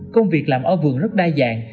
công việc làm ở vườn rất đa dạng